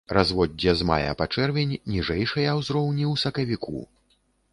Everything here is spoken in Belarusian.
Разводдзе з мая па чэрвень, ніжэйшыя ўзроўні ў сакавіку.